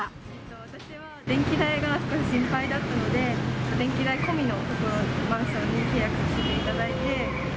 私は電気代が少し心配だったので、電気代込みの所、マンションに契約させていただいて。